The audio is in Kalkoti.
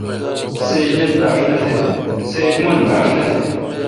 سیچ من ۔بھاش نہ تہ۔